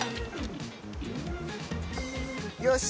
よし！